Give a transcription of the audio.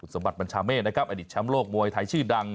สมบัติบัญชาเมฆอดีตช้ำโลกมวยไทยชื่อดัง